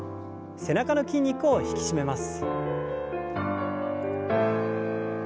背中の筋肉を引き締めます。